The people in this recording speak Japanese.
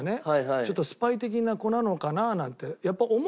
ちょっとスパイ的な子なのかな？なんてやっぱり思うわけじゃない。